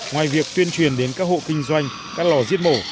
ngoài việc tuyên truyền đến các hộ kinh doanh các lò giết mổ